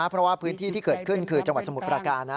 เพราะว่าพื้นที่ที่เกิดขึ้นคือจังหวัดสมุทรประการ